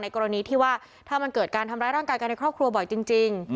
กรณีที่ว่าถ้ามันเกิดการทำร้ายร่างกายกันในครอบครัวบ่อยจริง